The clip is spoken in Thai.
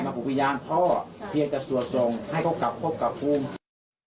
มาภูมิวิญญาณพ่อเพียงจะสวดทรงให้เขากลับกลับกลับภูมิ